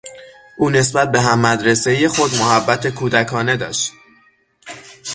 او نسبت به هم مدرسهای خود محبت کودکانه داشت.